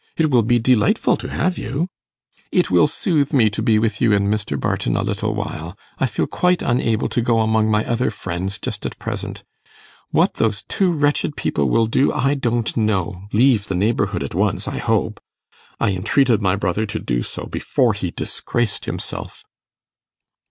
It will be delightful to have you!' 'It will soothe me to be with you and Mr. Barton a little while. I feel quite unable to go among my other friends just at present. What those two wretched people will do I don't know leave the neighbourhood at once, I hope. I entreated my brother to do so, before he disgraced himself.